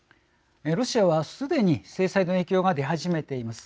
ロシアはすでに制裁の影響が出始めています。